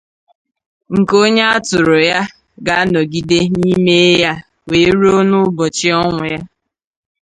nke onye a tụrụ ya ga-anọgide n’ime ya were ruo n’ụbọchị ọnwụ ya.